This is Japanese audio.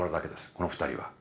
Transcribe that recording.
この２人は。